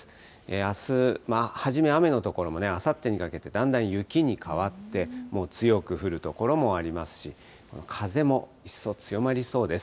あす、初め雨の所も、あさってにかけて、だんだん雪に変わって、もう強く降る所もありますし、風も一層強まりそうです。